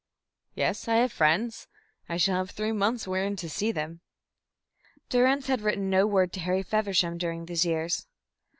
"Yes, I have friends. I shall have three months wherein to see them." Durrance had written no word to Harry Feversham during these years.